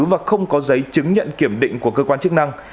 và không có giấy chứng nhận kiểm định của cơ quan chức năng